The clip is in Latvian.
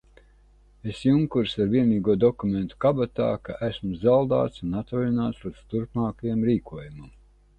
Es, junkurs, ar vienīgo dokumentu kabatā, ka esmu zaldāts un atvaļināts līdz turpmākajam rīkojumam.